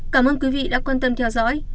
cảm ơn quý vị đã quan tâm theo dõi